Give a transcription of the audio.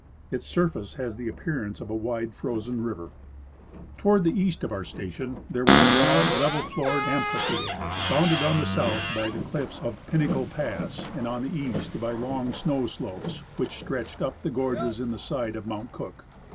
Its surface has the appearance of a wide frozen river. Toward the 138 I. C. R.msell — Expedition to Mount St. Ellas. east of our station there was a broad, level floored amphitheatre, bounded on the south by the cliffs of Pinnacle pass and on the east by long snow slopes Avhich stretch up the gorges in the side of Mount Cook.